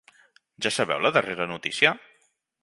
Ja sabeu la darrera notícia?